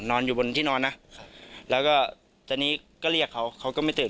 อยู่บนที่นอนนะแล้วก็ตอนนี้ก็เรียกเขาเขาก็ไม่ตื่น